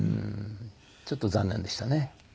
ちょっと残念でしたね。